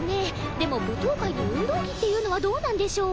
でも舞踏会に運動着っていうのはどうなんでしょう。